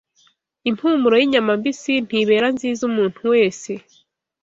Impumuro y’inyama mbisi ntibera nziza umuntu wese